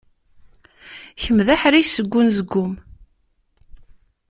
Kemm d aḥric seg unezgum.